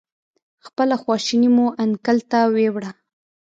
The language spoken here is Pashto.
خپله خواشیني مو انکل ته ویوړه.